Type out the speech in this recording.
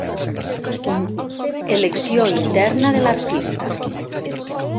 Elecció interna de l'artista.